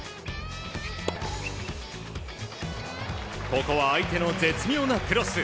ここは相手の絶妙なクロス。